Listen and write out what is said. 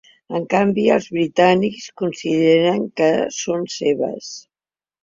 En canvi, els britànics consideren que són seves.